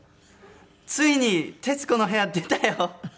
ついに『徹子の部屋』出たよ！